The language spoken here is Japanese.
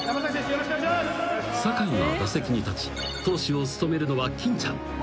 よろしくお［坂井が打席に立ち投手を務めるのは金ちゃん］